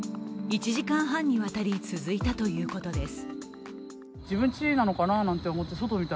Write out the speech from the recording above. １時間半にわたり続いたということです。